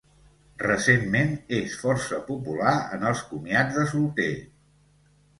Recentment és força popular en els comiats de solter.